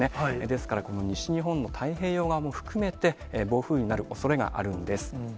ですから、この西日本の太平洋側も含めて、暴風になるおそれがあるんです。